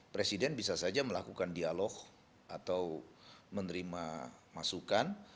presiden bisa saja melakukan dialog atau menerima masukan